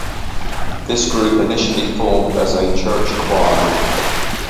This group initially formed as a church choir.